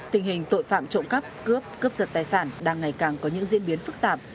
tình hình tội phạm trộm cắp cướp cướp giật tài sản đang ngày càng có những diễn biến phức tạp